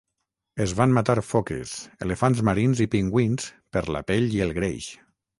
Es van matar foques, elefants marins i pingüins per la pell i el greix.